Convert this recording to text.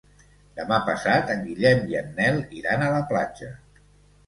Demà passat en Guillem i en Nel iran a la platja.